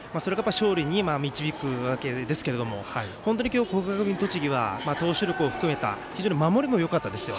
それが勝利に導くわけですけれど本当に今日、国学院栃木は投手力を含めた守りもよかったですよ。